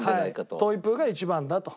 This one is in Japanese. トイプーが一番だと。